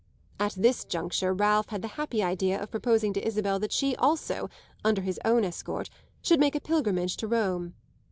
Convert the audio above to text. At this juncture Ralph had the happy idea of proposing to Isabel that she also, under his own escort, should make a pilgrimage to Rome.